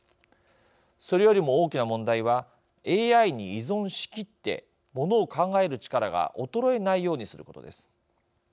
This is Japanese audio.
それよりも大きな問題はＡＩに依存しきってものを考える力が衰えないようにすることです。